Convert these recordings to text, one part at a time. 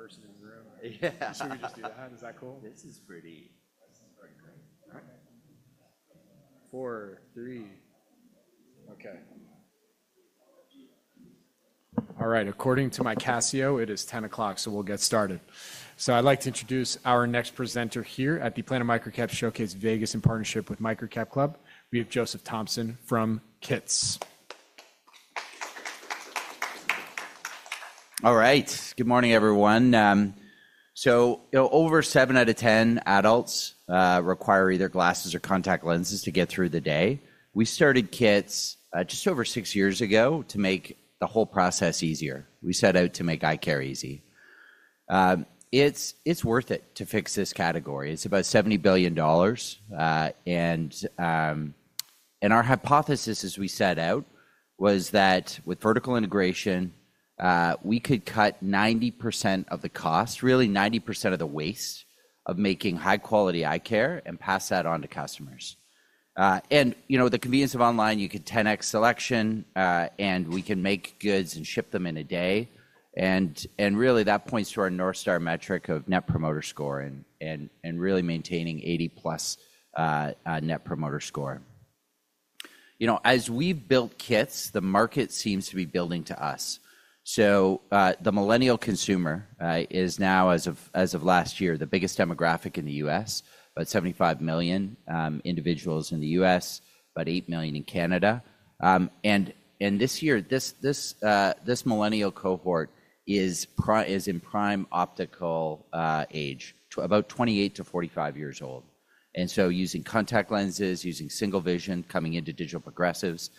Only one person in the room. Yeah. We just do that. Is that cool? This is pretty, this is pretty great. All right. Four. Three. Okay. All right. According to my Casio, it is 10:00 A.M., so we'll get started. I'd like to introduce our next presenter here at the Planet MicroCap Showcase Vegas in partnership with MicroCap Club. We have Joseph Thompson from KITS. All right. Good morning, everyone. You know, over seven out of ten adults require either glasses or contact lenses to get through the day. We started KITS just over six years ago to make the whole process easier. We set out to make eye care easy. It's worth it to fix this category. It's about $70 billion, and our hypothesis, as we set out, was that with vertical integration, we could cut 90% of the cost, really 90% of the waste of making high-quality eye care, and pass that on to customers. You know, with the convenience of online, you could 10x selection, and we can make goods and ship them in a day. That points to our North Star metric of Net Promoter Score and really maintaining 80-plus Net Promoter Score. You know, as we've built KITS, the market seems to be building to us. The millennial consumer is now, as of last year, the biggest demographic in the U.S., about 75 million individuals in the U.S., about 8 million in Canada. This year, this millennial cohort is in prime optical age, about 28 to 45 years old. Using contact lenses, using single vision, coming into digital progressives.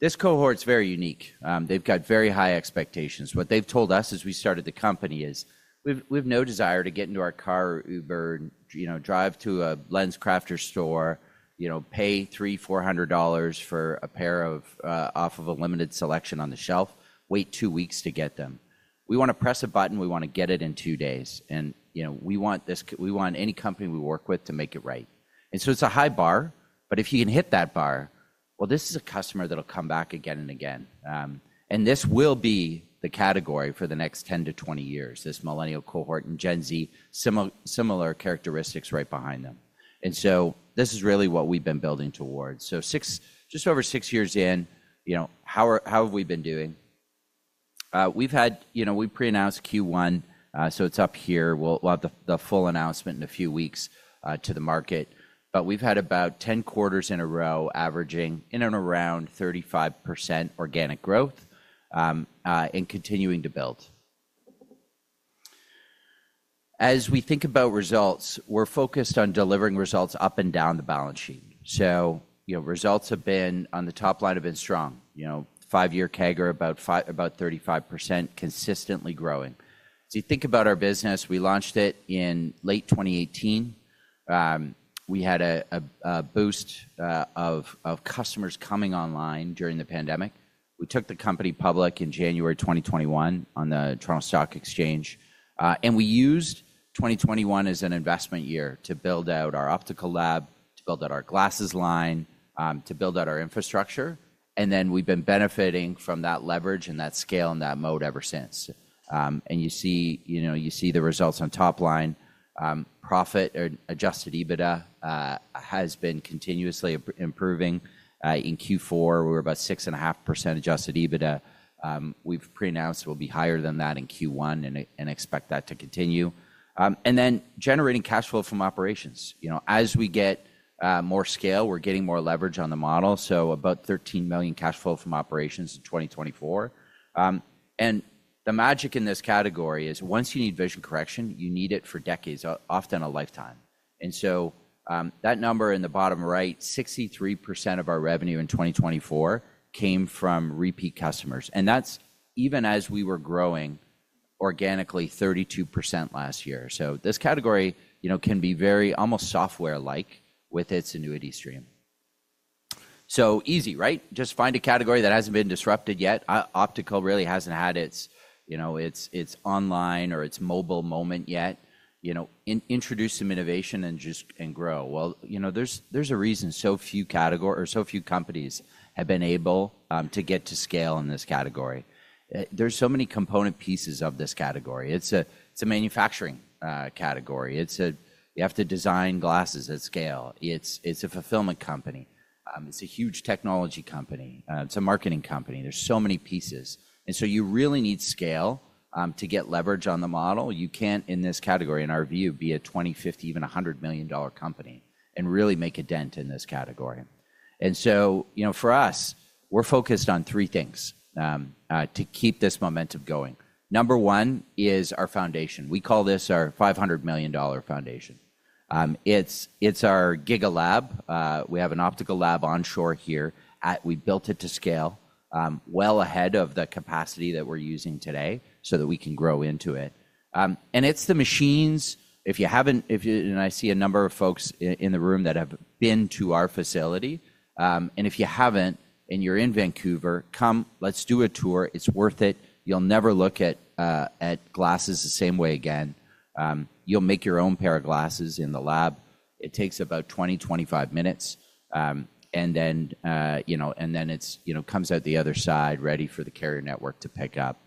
This cohort's very unique. They've got very high expectations. What they've told us as we started the company is, "We've no desire to get into our car or Uber and, you know, drive to a LensCrafters store, you know, pay $300-$400 for a pair, off of a limited selection on the shelf, wait two weeks to get them. We wanna press a button, we wanna get it in two days. And, you know, we want this, we want any company we work with to make it right. It's a high bar, but if you can hit that bar, this is a customer that'll come back again and again. This will be the category for the next 10 to 20 years, this millennial cohort and Gen Z, similar, similar characteristics right behind them. This is really what we've been building towards. Six, just over six years in, you know, how are, how have we been doing? We've had, you know, we pre-announced Q1, so it's up here. We'll have the full announcement in a few weeks to the market. We've had about 10 quarters in a row averaging in and around 35% organic growth, and continuing to build. As we think about results, we're focused on delivering results up and down the balance sheet. You know, results on the top line have been strong. You know, five-year CAGR about 35%, consistently growing. If you think about our business, we launched it in late 2018. We had a boost of customers coming online during the pandemic. We took the company public in January 2021 on the Toronto Stock Exchange. We used 2021 as an investment year to build out our optical lab, to build out our glasses line, to build out our infrastructure. We have been benefiting from that leverage and that scale and that moat ever since. You see, you know, you see the results on top line. Profit or adjusted EBITDA has been continuously improving. In Q4, we were about 6.5% adjusted EBITDA. We've pre-announced we'll be higher than that in Q1 and expect that to continue. And then generating cash flow from operations. You know, as we get more scale, we're getting more leverage on the model. So about 13 million cash flow from operations in 2024. And the magic in this category is once you need vision correction, you need it for decades, often a lifetime. And so, that number in the bottom right, 63% of our revenue in 2024 came from repeat customers. And that's even as we were growing organically 32% last year. You know, this category can be very almost software-like with its annuity stream. So easy, right? Just find a category that hasn't been disrupted yet. Optical really hasn't had its online or its mobile moment yet. You know, introduce some innovation and just grow. You know, there's a reason so few companies have been able to get to scale in this category. There's so many component pieces of this category. It's a manufacturing category. You have to design glasses at scale. It's a fulfillment company. It's a huge technology company. It's a marketing company. There's so many pieces. You really need scale to get leverage on the model. You can't, in this category, in our view, be a 20, 50, even $100 million company and really make a dent in this category. For us, we're focused on three things to keep this momentum going. Number one is our foundation. We call this our $500 million foundation. It's our giga lab. We have an optical lab onshore here. We built it to scale, well ahead of the capacity that we're using today so that we can grow into it. And it's the machines. If you haven't, if you, and I see a number of folks in the room that have been to our facility, and if you haven't and you're in Vancouver, come, let's do a tour. It's worth it. You'll never look at glasses the same way again. You'll make your own pair of glasses in the lab. It takes about 20-25 minutes. And then, you know, and then it's, you know, comes out the other side ready for the carrier network to pick up.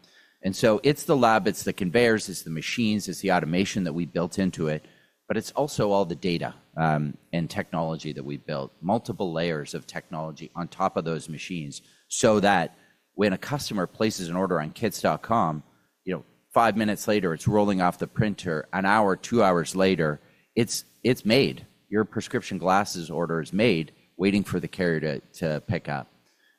It's the lab, it's the conveyors, it's the machines, it's the automation that we built into it, but it's also all the data and technology that we've built, multiple layers of technology on top of those machines so that when a customer places an order on kits.com, you know, five minutes later, it's rolling off the printer. An hour, two hours later, it's made. Your prescription glasses order is made, waiting for the carrier to pick up.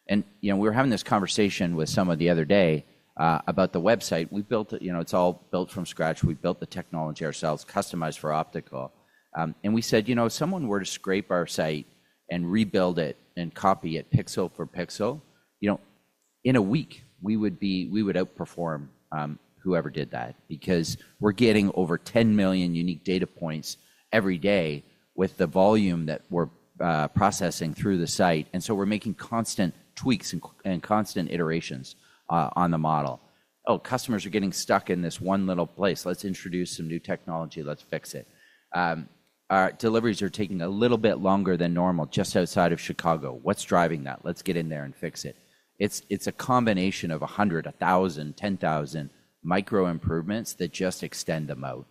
You know, we were having this conversation with someone the other day about the website. We built it, you know, it's all built from scratch. We built the technology ourselves, customized for optical. And we said, you know, if someone were to scrape our site and rebuild it and copy it pixel for pixel, you know, in a week, we would outperform whoever did that because we're getting over 10 million unique data points every day with the volume that we're processing through the site. And so we're making constant tweaks and constant iterations on the model. Oh, customers are getting stuck in this one little place. Let's introduce some new technology. Let's fix it. Our deliveries are taking a little bit longer than normal just outside of Chicago. What's driving that? Let's get in there and fix it. It's a combination of a hundred, a thousand, ten thousand micro improvements that just extend the moat.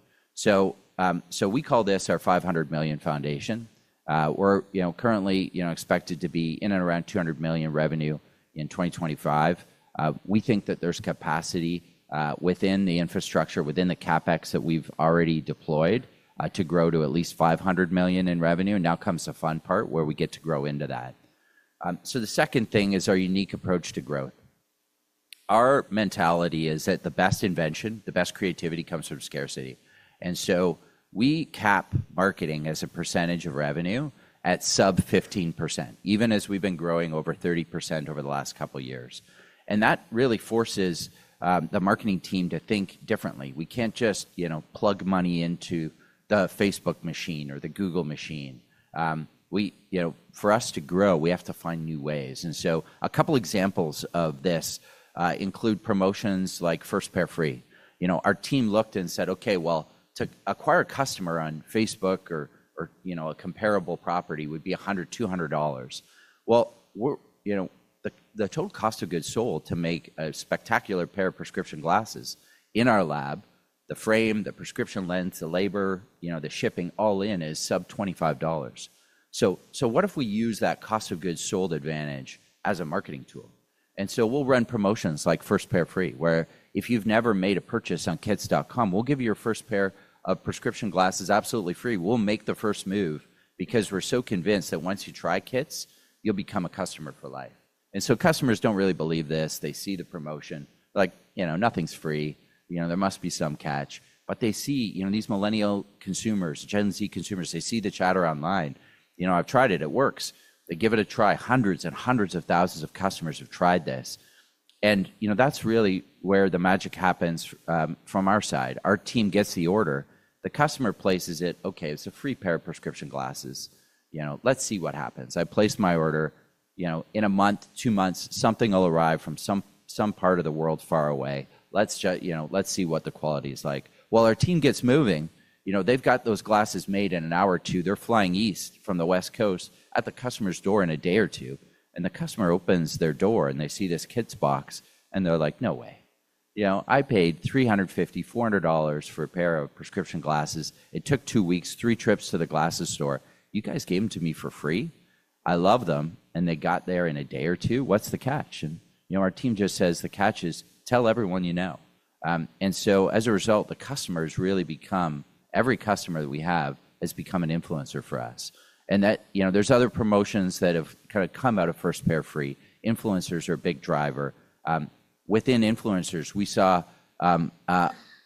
We call this our 500 million foundation. We're, you know, currently, you know, expected to be in and around $200 million revenue in 2025. We think that there's capacity, within the infrastructure, within the CapEx that we've already deployed, to grow to at least $500 million in revenue. Now comes the fun part where we get to grow into that. The second thing is our unique approach to growth. Our mentality is that the best invention, the best creativity comes from scarcity. We cap marketing as a percentage of revenue at sub 15%, even as we've been growing over 30% over the last couple of years. That really forces the marketing team to think differently. We can't just, you know, plug money into the Facebook machine or the Google machine. We, you know, for us to grow, we have to find new ways. A couple examples of this include promotions like First Pair Free. You know, our team looked and said, "Okay, to acquire a customer on Facebook or, or, you know, a comparable property would be $100-$200." The total cost of goods sold to make a spectacular pair of prescription glasses in our lab, the frame, the prescription lens, the labor, the shipping all in is sub $25. What if we use that cost of goods sold advantage as a marketing tool? We run promotions like First Pair Free, where if you've never made a purchase on kits.com, we will give you your first pair of prescription glasses absolutely free. We will make the first move because we're so convinced that once you try KITS, you'll become a customer for life. Customers do not really believe this. They see the promotion, like, you know, nothing's free. You know, there must be some catch, but they see, you know, these millennial consumers, Gen Z consumers, they see the chatter online. You know, I've tried it. It works. They give it a try. Hundreds and hundreds of thousands of customers have tried this. And, you know, that's really where the magic happens, from our side. Our team gets the order. The customer places it. Okay, it's a free pair of prescription glasses. You know, let's see what happens. I place my order, you know, in a month, two months, something will arrive from some, some part of the world far away. Let's just, you know, let's see what the quality is like. Our team gets moving. You know, they've got those glasses made in an hour or two. They're flying east from the West Coast at the customer's door in a day or two. The customer opens their door and they see this KITS box and they're like, "No way." You know, I paid $350, $400 for a pair of prescription glasses. It took two weeks, three trips to the glasses store. You guys gave them to me for free. I love them. They got there in a day or two. What's the catch? You know, our team just says the catch is tell everyone you know. As a result, the customers really become, every customer that we have has become an influencer for us. You know, there's other promotions that have kind of come out of first pair free. Influencers are a big driver. Within influencers, we saw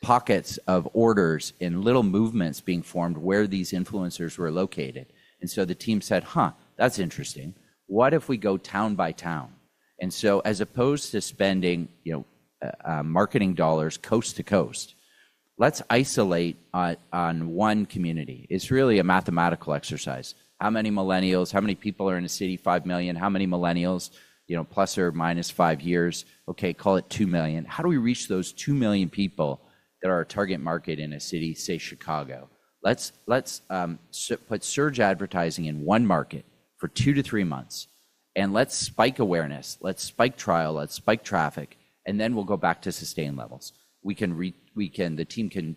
pockets of orders and little movements being formed where these influencers were located. The team said, "Huh, that's interesting. What if we go town by town?" As opposed to spending, you know, marketing dollars coast to coast, let's isolate on one community. It's really a mathematical exercise. How many millennials, how many people are in a city? 5 million. How many millennials, you know, plus or minus five years? Okay, call it 2 million. How do we reach those 2 million people that are our target market in a city, say Chicago? Let's put surge advertising in one market for two to three months and let's spike awareness, let's spike trial, let's spike traffic, and then we'll go back to sustained levels. We can, the team can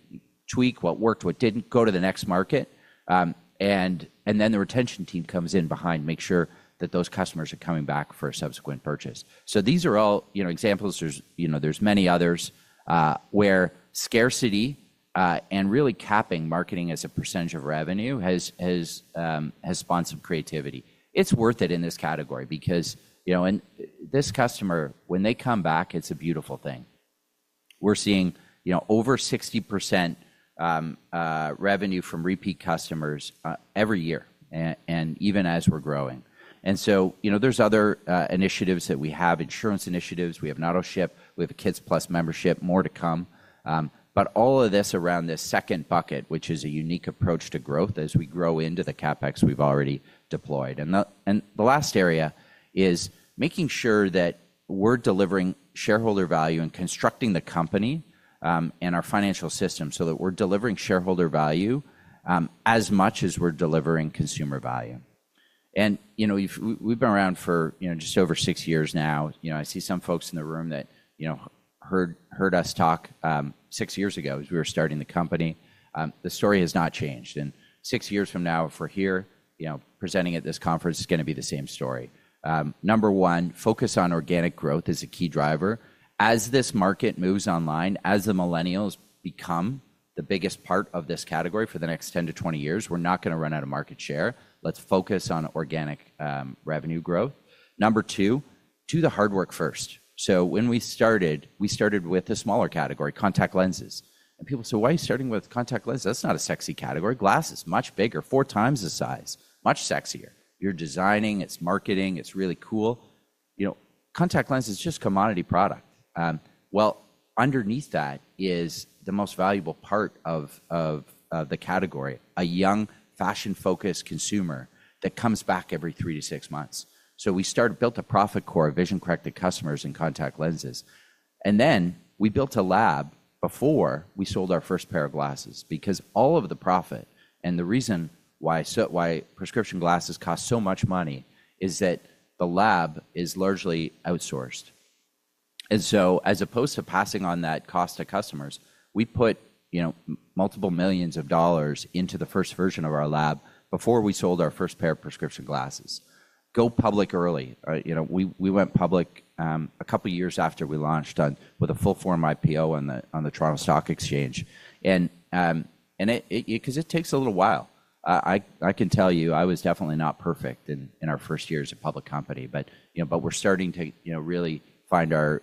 tweak what worked, what didn't, go to the next market. and then the retention team comes in behind, make sure that those customers are coming back for a subsequent purchase. These are all, you know, examples. There's, you know, there's many others, where scarcity, and really capping marketing as a percentage of revenue has sponsored creativity. It's worth it in this category because, you know, and this customer, when they come back, it's a beautiful thing. We're seeing, you know, over 60% revenue from repeat customers every year, and even as we're growing. You know, there's other initiatives that we have, insurance initiatives. We have Autoship. We have a KITS+ membership, more to come. All of this around this second bucket, which is a unique approach to growth as we grow into the CapEx we've already deployed. The last area is making sure that we're delivering shareholder value and constructing the company, and our financial system so that we're delivering shareholder value, as much as we're delivering consumer value. You know, if we, we've been around for just over six years now, you know, I see some folks in the room that, you know, heard us talk six years ago as we were starting the company. The story has not changed. Six years from now, if we're here, you know, presenting at this conference, it's gonna be the same story. Number one, focus on organic growth as a key driver. As this market moves online, as the millennials become the biggest part of this category for the next 10 to 20 years, we're not gonna run out of market share. Let's focus on organic, revenue growth. Number two, do the hard work first. When we started, we started with a smaller category, contact lenses. People say, "Why are you starting with contact lenses? That's not a sexy category." Glasses is much bigger, four times the size, much sexier. You're designing, it's marketing, it's really cool. You know, contact lens is just a commodity product. Well, underneath that is the most valuable part of the category, a young fashion-focused consumer that comes back every three to six months. We started, built a profit core, vision-corrected customers in contact lenses. Then we built a lab before we sold our first pair of glasses because all of the profit and the reason why prescription glasses cost so much money is that the lab is largely outsourced. As opposed to passing on that cost to customers, we put, you know, multiple millions of dollars into the first version of our lab before we sold our first pair of prescription glasses. Go public early. You know, we went public a couple of years after we launched with a full-form IPO on the Toronto Stock Exchange. It takes a little while. I can tell you I was definitely not perfect in our first years of public company, but, you know, we're starting to, you know, really find our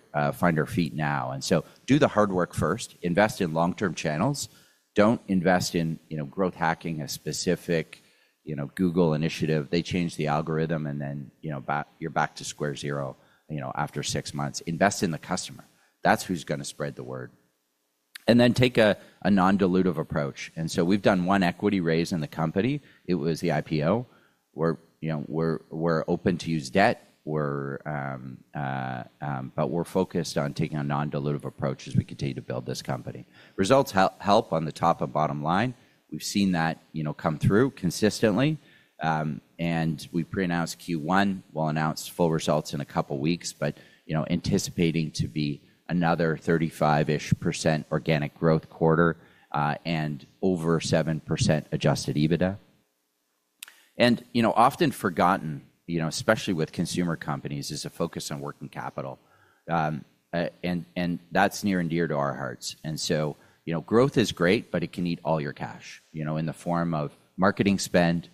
feet now. Do the hard work first, invest in long-term channels. Don't invest in, you know, growth hacking, a specific, you know, Google initiative. They change the algorithm and then, you know, you're back to square zero, you know, after six months. Invest in the customer. That's who's gonna spread the word. Take a non-dilutive approach. We've done one equity raise in the company. It was the IPO. We're, you know, we're open to use debt. We're focused on taking a non-dilutive approach as we continue to build this company. Results help on the top and bottom line. We've seen that, you know, come through consistently. We pre-announced Q1. We'll announce full results in a couple of weeks, but, you know, anticipating to be another 35% organic growth quarter, and over 7% adjusted EBITDA. You know, often forgotten, especially with consumer companies, is a focus on working capital. That's near and dear to our hearts. You know, growth is great, but it can eat all your cash, you know, in the form of marketing spend,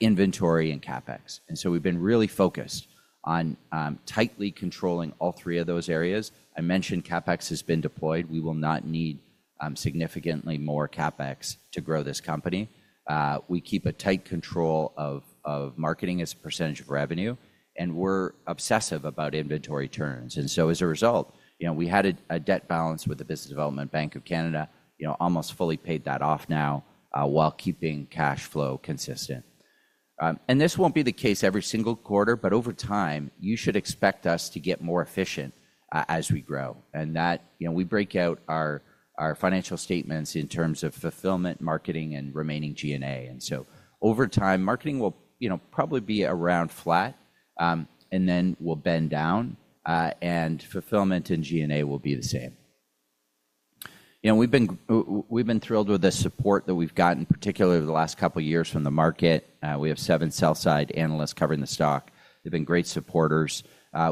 inventory, and CapEx. We have been really focused on tightly controlling all three of those areas. I mentioned CapEx has been deployed. We will not need significantly more CapEx to grow this company. We keep a tight control of marketing as a percentage of revenue, and we're obsessive about inventory turns. As a result, you know, we had a debt balance with the Business Development Bank of Canada, you know, almost fully paid that off now, while keeping cash flow consistent. This will not be the case every single quarter, but over time, you should expect us to get more efficient as we grow. You know, we break out our financial statements in terms of fulfillment, marketing, and remaining G&A. Over time, marketing will, you know, probably be around flat, and then we'll bend down, and fulfillment and G&A will be the same. You know, we've been thrilled with the support that we've gotten, particularly the last couple of years from the market. We have seven sell-side analysts covering the stock. They've been great supporters.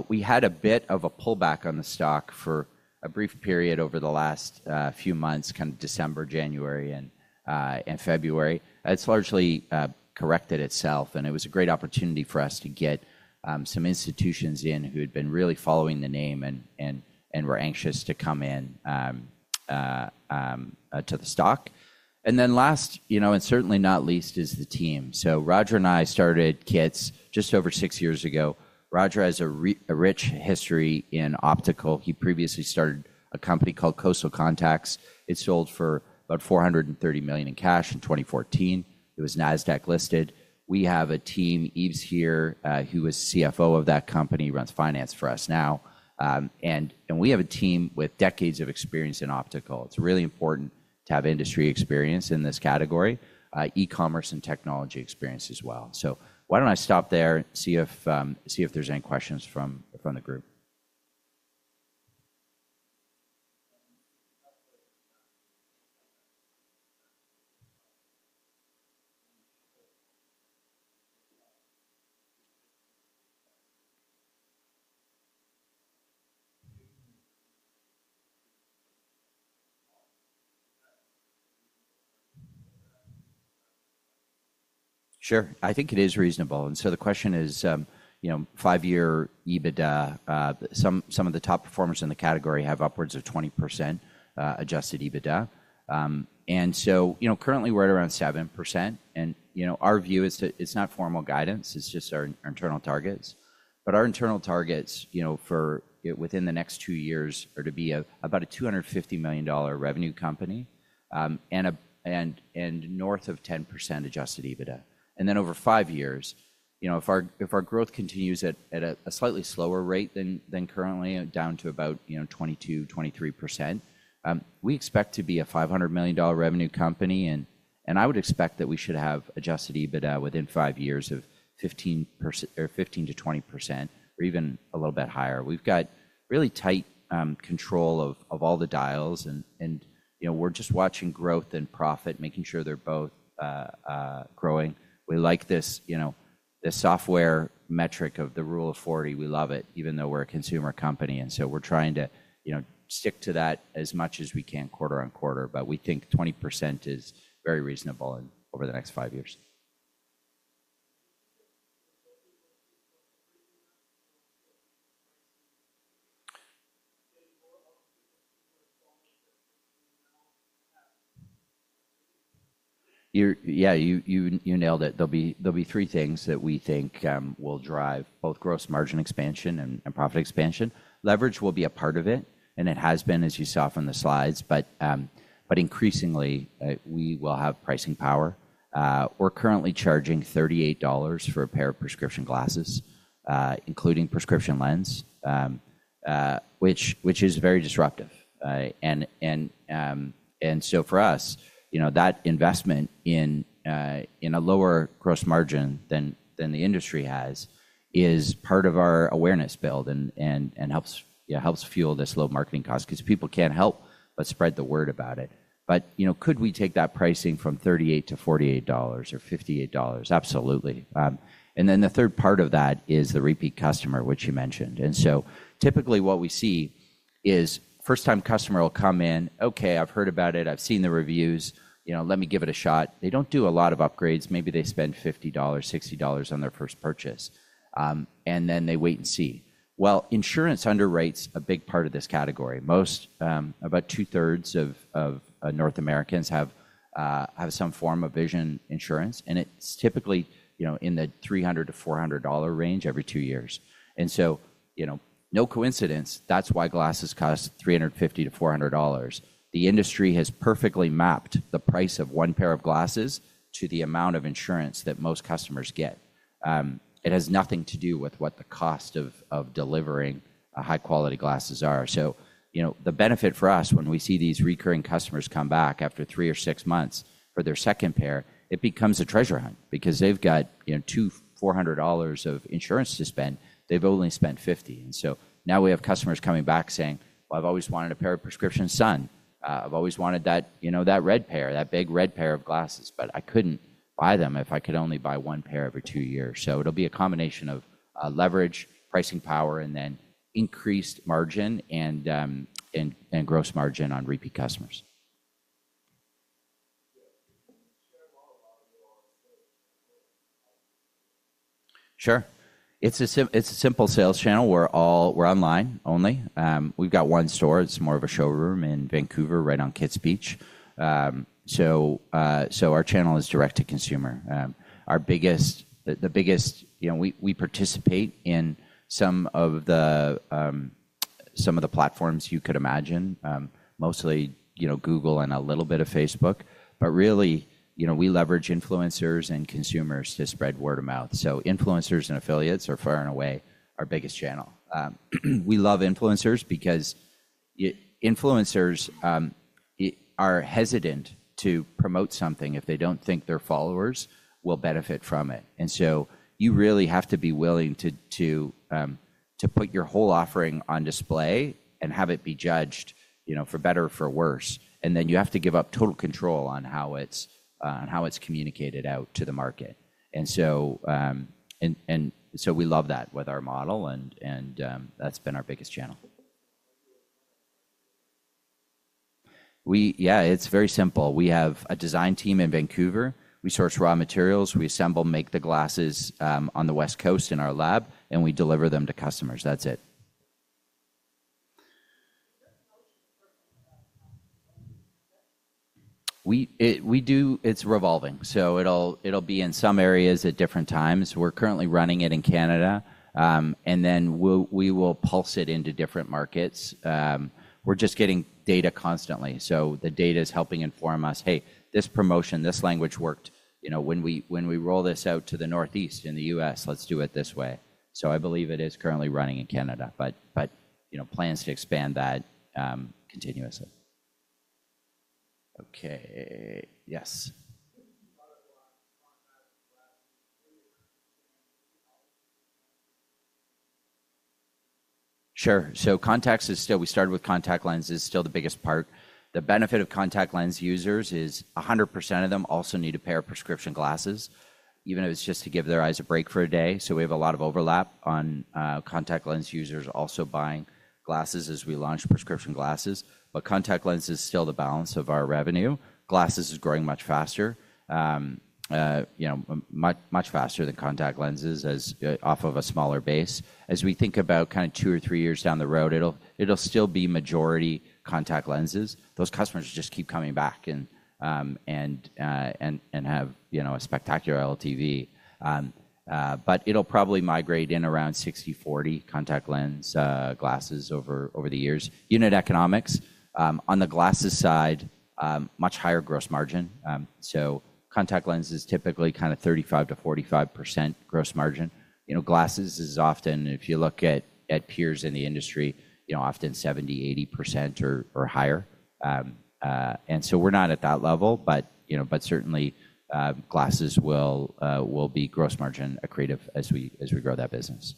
We had a bit of a pullback on the stock for a brief period over the last few months, kind of December, January, and February. It's largely corrected itself, and it was a great opportunity for us to get some institutions in who had been really following the name and were anxious to come in to the stock. Last, you know, and certainly not least is the team. Roger and I started KITS just over six years ago. Roger has a rich history in optical. He previously started a company called Coastal Contacts. It sold for about $430 million in cash in 2014. It was NASDAQ listed. We have a team, Eve's here, who is CFO of that company, runs finance for us now, and we have a team with decades of experience in optical. It's really important to have industry experience in this category, e-commerce and technology experience as well. Why don't I stop there, see if there's any questions from the group. Sure. I think it is reasonable. The question is, you know, five-year EBITDA, some of the top performers in the category have upwards of 20% adjusted EBITDA. You know, currently we're at around 7%. You know, our view is that it's not formal guidance, it's just our internal targets. Our internal targets, you know, for within the next two years are to be about a $250 million revenue company, and north of 10% adjusted EBITDA. Over five years, you know, if our growth continues at a slightly slower rate than currently, down to about, you know, 22-23%, we expect to be a $500 million revenue company. I would expect that we should have adjusted EBITDA within five years of 15% or 15-20% or even a little bit higher. We've got really tight control of all the dials and, you know, we're just watching growth and profit, making sure they're both growing. We like this, you know, this software metric of the Rule of 40. We love it, even though we're a consumer company. We're trying to, you know, stick to that as much as we can quarter on quarter. We think 20% is very reasonable in over the next five years. You, you nailed it. There'll be three things that we think will drive both gross margin expansion and profit expansion. Leverage will be a part of it, and it has been, as you saw from the slides, but increasingly, we will have pricing power. We're currently charging $38 for a pair of prescription glasses, including prescription lens, which is very disruptive. For us, you know, that investment in a lower gross margin than the industry has is part of our awareness build and helps, yeah, helps fuel this low marketing cost 'cause people can't help but spread the word about it. You know, could we take that pricing from $38 to $48 or $58? Absolutely. The third part of that is the repeat customer, which you mentioned. Typically what we see is first-time customer will come in, "Okay, I've heard about it. I've seen the reviews. You know, let me give it a shot." They don't do a lot of upgrades. Maybe they spend $50, $60 on their first purchase, and then they wait and see. Insurance underwrites a big part of this category. Most, about two-thirds of North Americans have some form of vision insurance, and it's typically, you know, in the $300-$400 range every two years. You know, no coincidence, that's why glasses cost $350-$400. The industry has perfectly mapped the price of one pair of glasses to the amount of insurance that most customers get. It has nothing to do with what the cost of delivering high-quality glasses are. You know, the benefit for us when we see these recurring customers come back after three or six months for their second pair, it becomes a treasure hunt because they've got, you know, $200-$400 of insurance to spend. They've only spent $50. Now we have customers coming back saying, "Well, I've always wanted a pair of prescription sun. I've always wanted that, you know, that red pair, that big red pair of glasses, but I couldn't buy them if I could only buy one pair every two years." It will be a combination of leverage, pricing power, and then increased margin and gross margin on repeat customers. Sure. It's a simple sales channel. We're all, we're online only. We've got one store. It's more of a showroom in Vancouver right on KITS Beach. Our channel is direct to consumer. Our biggest, the biggest, you know, we participate in some of the platforms you could imagine, mostly, you know, Google and a little bit of Facebook. Really, you know, we leverage influencers and consumers to spread word of mouth. Influencers and affiliates are far and away our biggest channel. We love influencers because influencers are hesitant to promote something if they don't think their followers will benefit from it. You really have to be willing to put your whole offering on display and have it be judged, you know, for better or for worse. You have to give up total control on how it's communicated out to the market. We love that with our model. That's been our biggest channel. It's very simple. We have a design team in Vancouver. We source raw materials. We assemble, make the glasses on the West Coast in our lab, and we deliver them to customers. That's it. It's revolving. It will be in some areas at different times. We're currently running it in Canada, and then we will pulse it into different markets. We're just getting data constantly. The data's helping inform us, "Hey, this promotion, this language worked, you know, when we roll this out to the Northeast in the U.S., let's do it this way." I believe it is currently running in Canada, but, you know, plans to expand that continuously. Okay. Yes. Sure. Contacts is still, we started with contact lenses, still the biggest part. The benefit of contact lens users is 100% of them also need a pair of prescription glasses, even if it's just to give their eyes a break for a day. We have a lot of overlap on contact lens users also buying glasses as we launch prescription glasses. Contact lens is still the balance of our revenue. Glasses is growing much faster, you know, much, much faster than contact lenses as, off of a smaller base. As we think about kind of two or three years down the road, it'll still be majority contact lenses. Those customers just keep coming back and have, you know, a spectacular LTV. But it'll probably migrate in around 60-40 contact lens, glasses over the years. Unit economics, on the glasses side, much higher gross margin. So contact lens is typically kind of 35-45% gross margin. You know, glasses is often, if you look at peers in the industry, you know, often 70-80% or higher. And so we're not at that level, but, you know, but certainly, glasses will be gross margin accretive as we grow that business.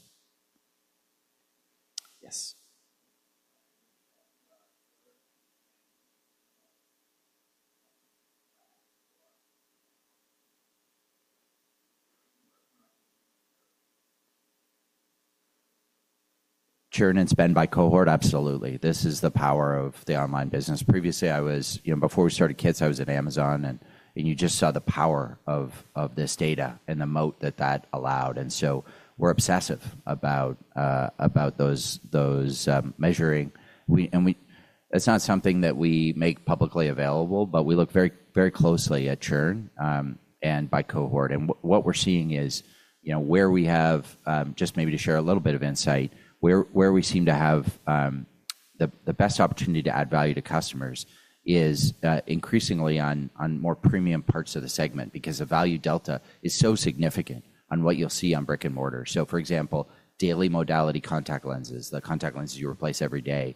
Yes. Churn and spend by cohort, absolutely. This is the power of the online business. Previously, I was, you know, before we started KITS, I was at Amazon, and you just saw the power of this data and the moat that that allowed. We are obsessive about those, those, measuring. We, it's not something that we make publicly available, but we look very, very closely at churn, and by cohort. What we're seeing is, you know, where we have, just maybe to share a little bit of insight, where we seem to have the best opportunity to add value to customers is increasingly on more premium parts of the segment because the value delta is so significant on what you'll see on brick and mortar. For example, daily modality contact lenses, the contact lenses you replace every day,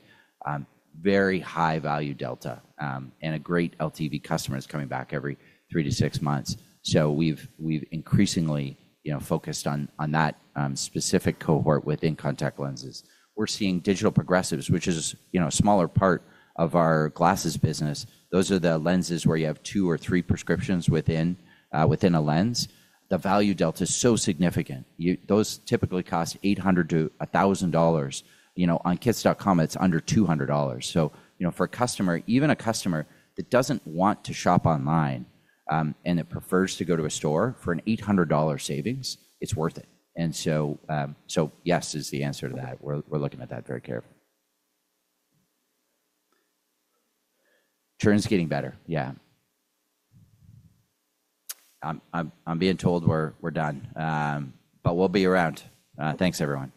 very high value delta, and a great LTV customer is coming back every three to six months. We've increasingly, you know, focused on that specific cohort within contact lenses. We're seeing digital progressives, which is, you know, a smaller part of our glasses business. Those are the lenses where you have two or three prescriptions within a lens. The value delta is so significant. Those typically cost $800-$1,000. You know, on kits.com, it's under $200. For a customer, even a customer that doesn't want to shop online and prefers to go to a store, for an $800 savings, it's worth it. Yes is the answer to that. We're looking at that very carefully. Churn's getting better. Yeah. I'm being told we're done. We'll be around. Thanks, everyone.